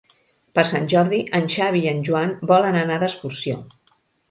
Per Sant Jordi en Xavi i en Joan volen anar d'excursió.